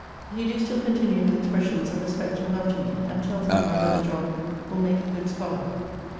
He do still continue his expressions of respect and love to me, and tells me my brother John will make a good scholar.